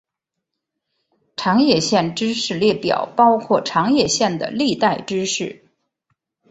长野县知事列表包括长野县的历代知事。